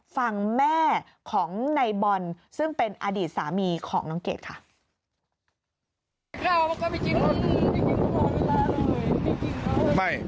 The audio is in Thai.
ฟังแม่ของในบอลซึ่งเป็นอดีตสามีของน้องเกดค่ะ